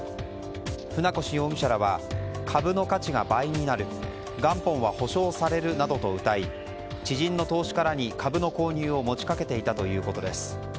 船越容疑者らは株の価値が倍になる元本は保証されるなどとうたい知人の投資家らに株の購入を持ちかけていたということです。